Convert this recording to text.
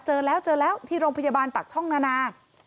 เจอแล้วเจอแล้วที่โรงพยาบาลปากช่องนานา